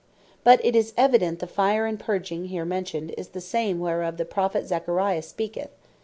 But it is evident the Fire and Purging here mentioned, is the same whereof the Prophet Zachary speaketh (chap.